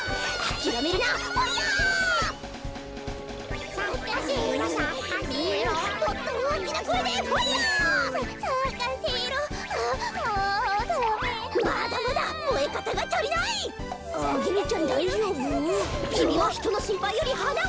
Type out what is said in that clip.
きみはひとのしんぱいよりはなをさかせるんだ。